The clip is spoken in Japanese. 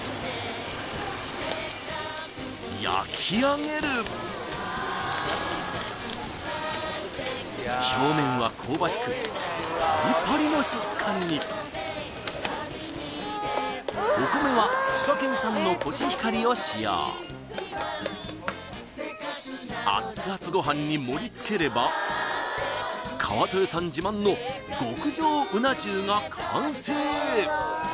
焼き上げる表面は香ばしくパリパリの食感にお米は千葉県産のコシヒカリを使用アツアツごはんに盛りつければ川豊さん自慢の極上うな重が完成！